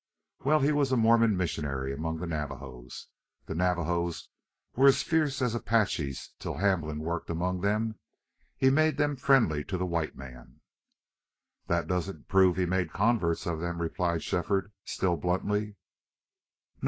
Well, he was a Mormon missionary among the Navajos. The Navajos were as fierce as Apaches till Hamblin worked among them. He made them friendly to the white man." "That doesn't prove he made converts of them," replied Shefford, still bluntly. "No.